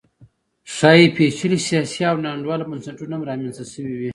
ښايي پېچلي سیاسي او ناانډوله بنسټونه هم رامنځته شوي وي